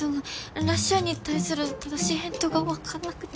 「らっしゃい」に対する正しい返答が分かんなくて。